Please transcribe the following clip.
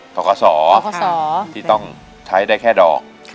กศที่ต้องใช้ได้แค่ดอก